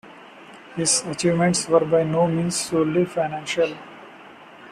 His achievements were by no means solely financial.